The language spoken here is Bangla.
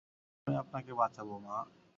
আমি আপনাকে বাঁচাবো, মা!